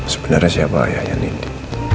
sebenarnya siapa ayahnya nindi